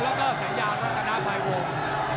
แล้วก็สัญญาณลักษณะภายวง